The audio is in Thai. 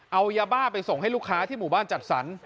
เอายาบ้าไปส่งให้ลูกค้าที่หมู่บ้านจัดสรร